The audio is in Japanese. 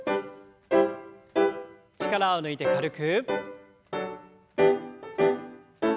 力を抜いて軽く。